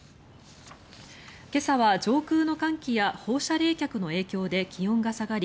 今朝は上空の寒気や放射冷却の影響で気温が下がり